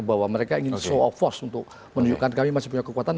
bahwa mereka ingin show of force untuk menunjukkan kami masih punya kekuatan